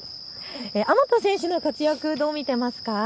アマト選手の活躍、どう見ていますか。